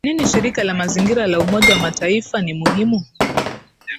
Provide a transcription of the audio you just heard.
Kwa nini Shirika la Mazingira la Umoja wa Mataifa ni muhimu